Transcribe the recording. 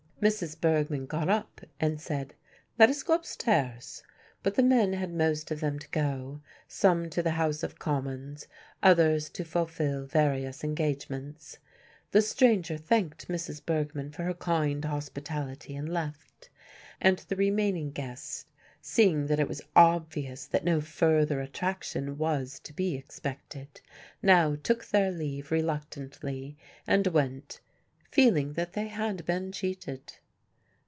Mrs. Bergmann got up and said, "Let us go upstairs." But the men had most of them to go, some to the House of Commons, others to fulfil various engagements. The stranger thanked Mrs. Bergmann for her kind hospitality and left. And the remaining guests, seeing that it was obvious that no further attraction was to be expected, now took their leave reluctantly and went, feeling that they had been cheated.